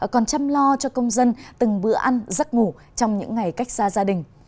còn chăm lo cho công dân từng bữa ăn giấc ngủ trong những ngày cách xa gia đình